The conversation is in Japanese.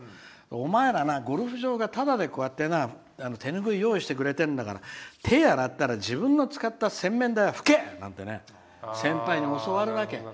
お前らな、ゴルフ場がただでこうやって手拭い用意してくれてんだから手洗ったら自分の使った洗面台は拭け！なんて先輩に教わるわけ。